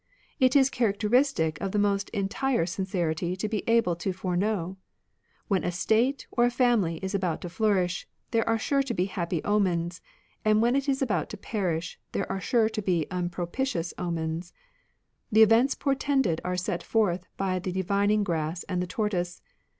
" It is characteristic of the most entire sincerity to be able to foreknow. When a State or a family is about to fiourish, there are sure to be happy omens ; and when it is about to perish, there are sure to be unpropitious omens. The events portended are set forth by the divining grass and the tortoise.